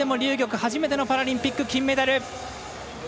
初めてのパラリンピック金メダル。